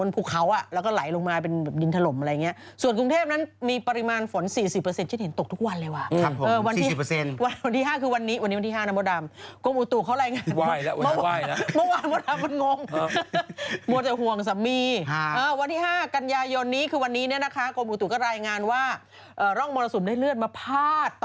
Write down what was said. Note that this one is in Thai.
เพราะว่าอันตรายจากฝนตกหนักนะคะ